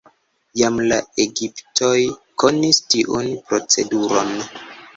Jam la egiptoj konis tiun proceduron.